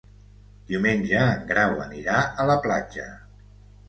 Diumenge en Grau anirà a la platja.